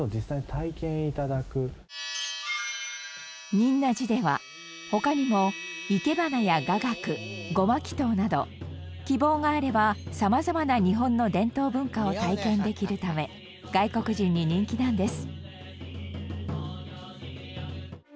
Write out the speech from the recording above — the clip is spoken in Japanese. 仁和寺では他にも生け花や雅楽護摩祈祷など希望があればさまざまな日本の伝統文化を体験できるため外国人に人気なんです。